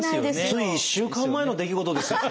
つい１週間前の出来事ですよ。